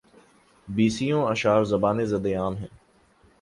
بیسیوں اشعار زبانِ زدِ عام ہیں